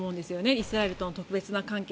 イスラエルとの特別な関係。